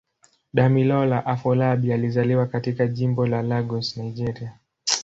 Damilola Afolabi alizaliwa katika Jimbo la Lagos, Nigeria.